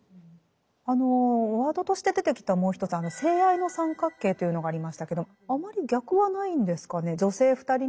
ワードとして出てきたもう一つ「性愛の三角形」というのがありましたけどあまり逆はないんですかね。